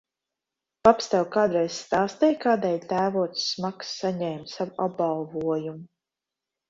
Paps tev kādreiz stāstīja, kādēļ tēvocis Maks saņēma savu apbalvojumu?